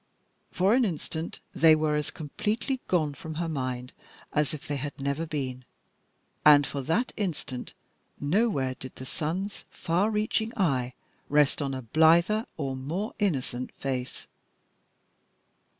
For an instant they were as completely gone from her mind as if they had never been, and for that instant nowhere did the sun's far reaching eye rest on a blither or more innocent face.